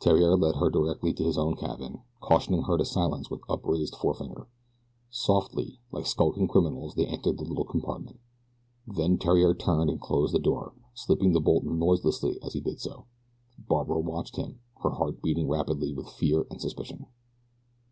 Theriere led her directly to his own cabin, cautioning her to silence with upraised forefinger. Softly, like skulking criminals, they entered the little compartment. Then Theriere turned and closed the door, slipping the bolt noiselessly as he did so. Barbara watched him, her heart beating rapidly with fear and suspicion.